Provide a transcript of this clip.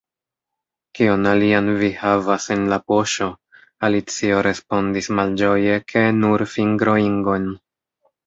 “Kion alian vi havas en la poŝo?” Alicio respondis malĝoje ke “nur fingroingon.”